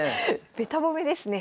べた褒めですね。